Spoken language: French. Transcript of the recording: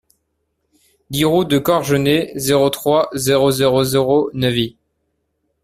dix route de Corgenay, zéro trois, zéro zéro zéro, Neuvy